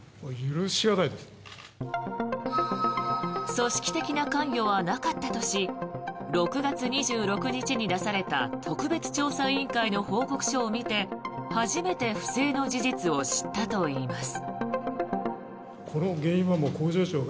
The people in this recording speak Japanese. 組織的な関与はなかったとし６月２６日に出された特別調査委員会の報告書を見て初めて不正の事実を知ったといいます。